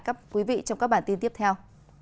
các quý vị trong các bản tin tiếp theo